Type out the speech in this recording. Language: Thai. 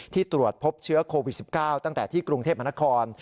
ตรวจพบเชื้อโควิด๑๙ตั้งแต่ที่กรุงเทพมนคร